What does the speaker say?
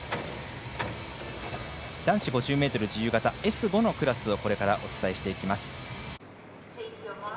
男子５０ｍ自由形Ｓ５のクラスをこれからお伝えしていきます。